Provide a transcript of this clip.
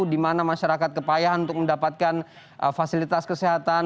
di mana masyarakat kepayahan untuk mendapatkan fasilitas kesehatan